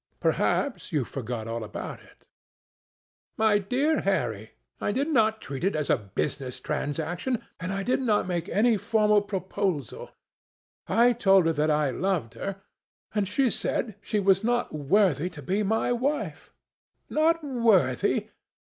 Perhaps you forgot all about it." "My dear Harry, I did not treat it as a business transaction, and I did not make any formal proposal. I told her that I loved her, and she said she was not worthy to be my wife. Not worthy!